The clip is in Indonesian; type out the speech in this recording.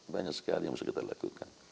banyak sekali yang harus kita lakukan